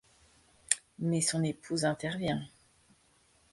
Mais son épouse intervient…